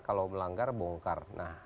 kalau melanggar bongkar